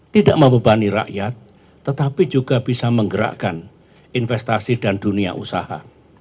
tidak membebani rakyat tetapi juga bisa menggerakkan investasi dan dunia usaha